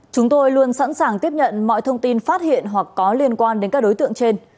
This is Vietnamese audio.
chúng tôi luôn sẵn sàng tiếp nhận mọi thông tin phát hiện hoặc có liên quan đến các đối tượng trên